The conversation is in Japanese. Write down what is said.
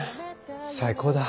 最高だ。